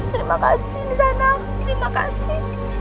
terima kasih nisana terima kasih